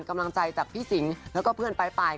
กำลังใจจากพี่สิงแล้วก็เพื่อนปลาย